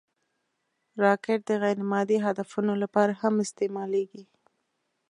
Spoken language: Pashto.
راکټ د غیر مادي هدفونو لپاره هم استعمالېږي